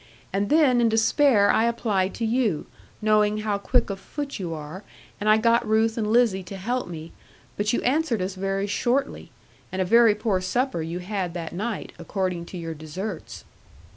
And then, in despair, I applied to you, knowing how quick of foot you are, and I got Ruth and Lizzie to help me, but you answered us very shortly; and a very poor supper you had that night, according to your deserts.